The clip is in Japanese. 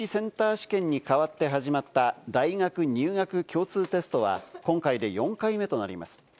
試験に代わって始まった大学入学共通テストは今回で４回目となります。